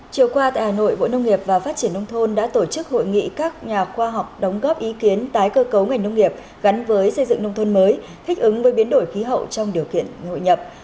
chiều qua tại hà nội bộ nông nghiệp và phát triển nông thôn đã tổ chức hội nghị các nhà khoa học đóng góp ý kiến tái cơ cấu ngành nông nghiệp gắn với xây dựng nông thôn mới thích ứng với biến đổi khí hậu trong điều kiện hội nhập